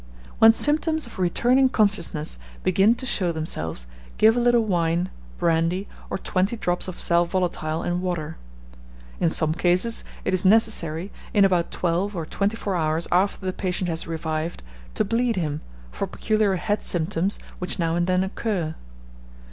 When symptoms of returning consciousness begin to show themselves, give a little wine, brandy, or twenty drops of sal volatile and water. In some cases it is necessary, in about twelve or twenty four hours after the patient has revived, to bleed him, for peculiar head symptoms which now and then occur.